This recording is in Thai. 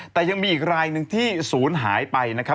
แต่ยังมีอีกรายหนึ่งที่ศูนย์หายไปนะครับ